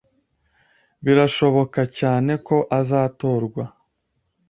Birashoboka cyane ko azatorwa.